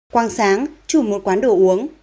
quang sáng chủ một quán đồ uống